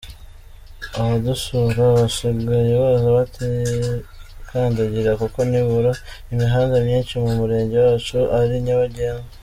Abadusura basigaye baza batikandagira kuko nibura imihanda myinshi mu Murenge wacu ari nyabagendwa.